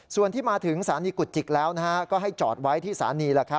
ส่วนที่มาถึงสถานีกุจจิกแล้วก็ให้จอดไว้ที่สถานี